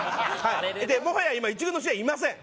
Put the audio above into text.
もはや今１軍の人はいません。